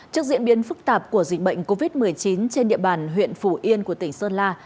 trước diễn biến phức tạp của dịch bệnh covid một mươi chín trên địa bàn huyện phủ yên của tỉnh sơn la